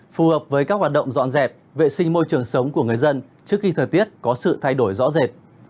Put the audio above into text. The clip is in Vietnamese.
phù hợp với các hoạt động dọn dẹp vệ sinh môi trường sống của người dân trước khi thời tiết có sự thay đổi rõ rệt